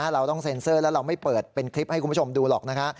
เราต้องเซ็นเซอร์แล้วเราไม่เปิดเป็นคลิปให้คุณผู้ชมดูหรอกนะคะ